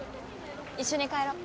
一緒に帰ろ。